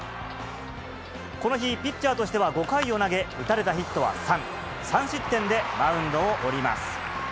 この日、ピッチャーとしては５回を投げ、打たれたヒットは３、３失点でマウンドを降ります。